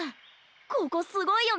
ここすごいよね！